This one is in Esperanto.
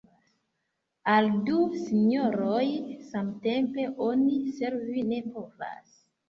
Al du sinjoroj samtempe oni servi ne povas.